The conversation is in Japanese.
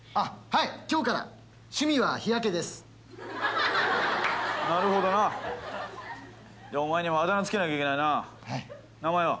はい今日から趣味は日焼けですなるほどなじゃあお前にもあだ名付けなきゃいけないな名前は？